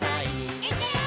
「いくよー！」